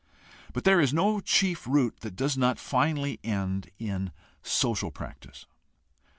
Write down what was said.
But there is no chief root that does not finally end in social practice.